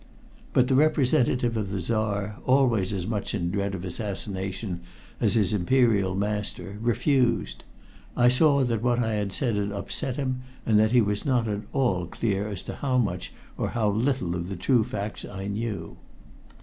But the representative of the Czar, always as much in dread of assassination as his imperial master, refused. I saw that what I had said had upset him, and that he was not at all clear as to how much or how little of the true facts I knew.